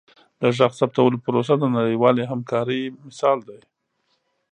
د غږ ثبتولو پروسه د نړیوالې همکارۍ مثال دی.